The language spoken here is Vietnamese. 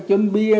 chân bi bà